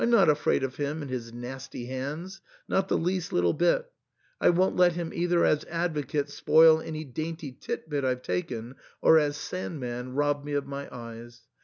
tSj afraid of him and his nasty hands, not the least little bit ; I won't let him either as advocate spoil any dainty tit bit I've taken, or as Sand man rob me of my eyes.